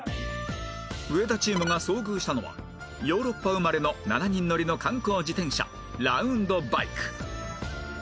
上田チームが遭遇したのはヨーロッパ生まれの７人乗りの観光自転車ラウンドバイク